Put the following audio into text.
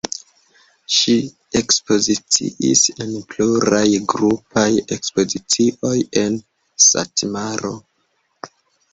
Ŝi ekspoziciis en pluraj grupaj ekspozicioj en Satmaro.